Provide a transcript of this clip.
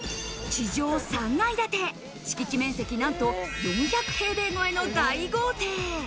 地上３階建て、敷地面積なんと４００平米超えの大豪邸。